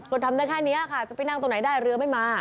ก็ทำได้แค่นี้ค่ะจะไปนั่งตรงไหนได้เรือไม่มา